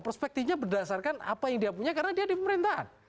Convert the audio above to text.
perspektifnya berdasarkan apa yang dia punya karena dia di pemerintahan